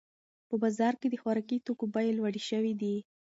په بازار کې د خوراکي توکو بیې لوړې شوې دي.